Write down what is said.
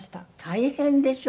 大変でしょ？